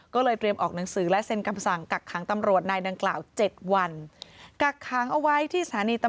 ก็เลยเตรียมออกหนังสือและเซ็นคำสั่งกักขังตำรวจนายดังกล่าว๗วัน